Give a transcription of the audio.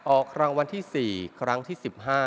ออกรางวัลที่๔ครั้งที่๑๕